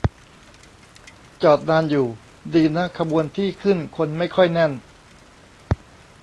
จอดนานอยู่ ดีนะขบวนที่ขึ้นคนไม่ค่อยแน่น